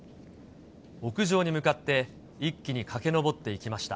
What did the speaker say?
屋上に向かって一気に駆け上っていきました。